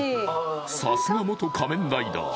さすが元仮面ライダー